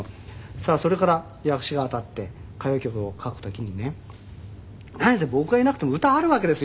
さあそれから訳詩が当たって歌謡曲を書く時にね何せ僕がいなくても歌はあるわけです